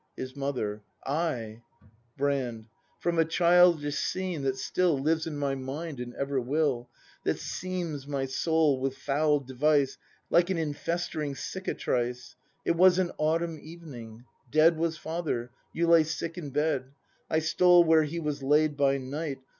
His Mother. Ay. Brand. From a childish scene that still Lives in my mind, and ever will, That seams my soul with foul device Like an infestering cicatrice. It was an autumn evening. Dead Was father; you lay sick in bed. I stole where he was laid by night.